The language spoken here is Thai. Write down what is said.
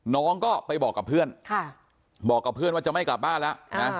น้องก็ไปบอกกับเพื่อนบอกกับเพื่อนว่าจะไม่กลับบ้านแล้วนะ